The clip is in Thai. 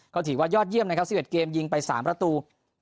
ก็ถือว่ายอดเยี่ยมนะครับ๑๑เกมยิงไป๓ประตู